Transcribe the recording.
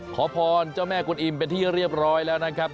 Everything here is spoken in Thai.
ขอพรเจ้าแม่กุลอิมเป็นที่เรียบร้อยแล้วนะครับ